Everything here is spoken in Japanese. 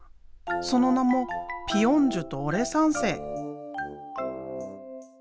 その名もピ・ヨンジュとオレ三世。